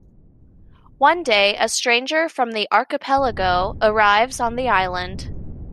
One day, a stranger from the archipelago arrives on the island.